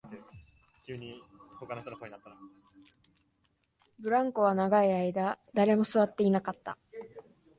ブランコは長い時間、誰も座っていなかった